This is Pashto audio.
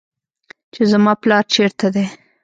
چې زما پلار چېرته دى.